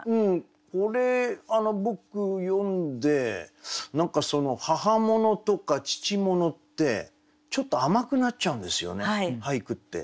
これ僕読んで何かその母物とか父物ってちょっと甘くなっちゃうんですよね俳句って。